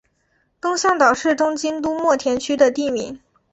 东向岛是东京都墨田区的地名。